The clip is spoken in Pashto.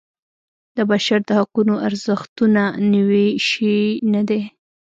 د بشر د حقونو ارزښتونه نوی شی نه دی.